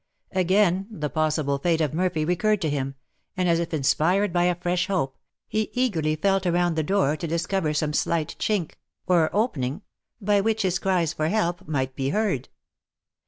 Again the possible fate of Murphy recurred to him, and, as if inspired by a fresh hope, he eagerly felt around the door to discover some slight chink, or opening, by which his cries for help might be heard.